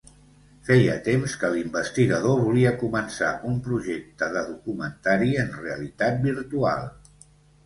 Feia temps que l’investigador volia començar un projecte de documentari en realitat virtual.